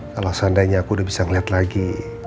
kalau seandainya aku udah bisa ngeliat lagi